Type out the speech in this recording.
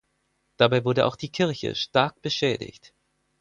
Dabei wurde auch die Kirche stark beschädigt.